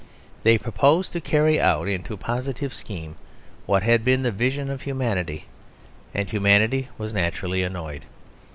They proposed to carry out into a positive scheme what had been the vision of humanity; and humanity was naturally annoyed.